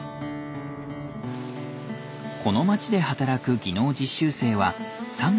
この町で働く技能実習生は３７３人。